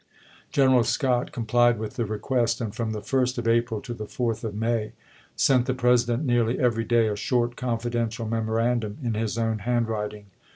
General Scott complied with the request, and from the 1st of April to the 4th of May sent the President nearly every day a short confidential memorandum in his own handwinting.